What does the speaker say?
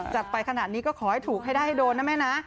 ไปขนาดนี้ก็ขอให้ถูกให้ได้ให้โดนนะแม่นะ